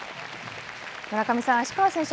村上さん、芦川選手